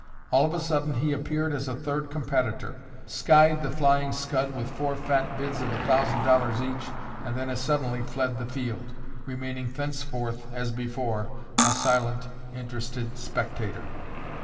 All of a sudden he appeared as a third competitor, skied the Flying Scud with four fat bids of a thousand dollars each, and then as suddenly fled the field, remaining thenceforth (as before) a silent, interested spectator.